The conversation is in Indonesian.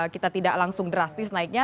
kita tidak langsung drastis naiknya